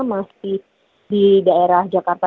masih di daerah jakarta